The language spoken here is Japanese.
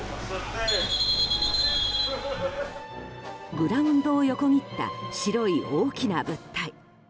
グラウンドを横切った白い大きな物体。